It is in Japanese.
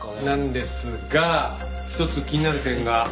なんですが一つ気になる点が。